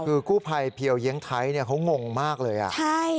คือกู้ภัยเพียวเยียงไทยเนี่ยเขางงมากเลยอ่ะใช่